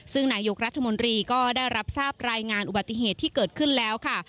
ซึ่งนายกรัฐมนตรีก็ได้รับทราบรายงานอุบัติเหตุที่เกิดขึ้นแล้วค่ะ